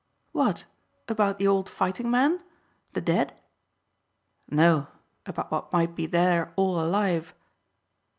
"What, about the old fighting men? The dead?" "No. About what might be there all alive."